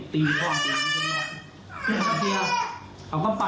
ตีหรือเปล่า